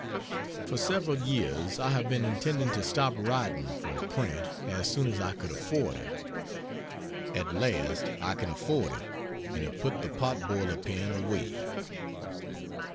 For several years I have been intending to stop writing for print as soon as I could afford it. At last I can afford it, and have put the pot boiler pen away.